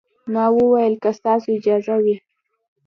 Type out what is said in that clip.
ما وويل که ستاسو اجازه وي.